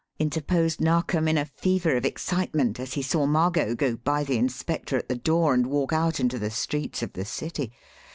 interposed Narkom, in a fever of excitement, as he saw Margot go by the inspector at the door and walk out into the streets of the city.